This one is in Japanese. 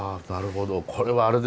これはあれですね